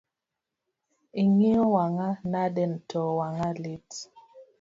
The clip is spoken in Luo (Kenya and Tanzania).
Ing’iyo wang’a nade to wang'a lit?